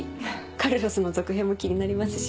カルロスの続編も気になりますし。